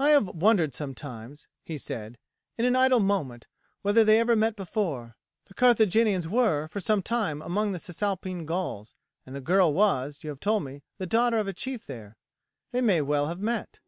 "I have wondered sometimes," he said, "in an idle moment, whether they ever met before. The Carthaginians were for some time among the Cisalpine Gauls, and the girl was, you have told me, the daughter of a chief there; they may well have met."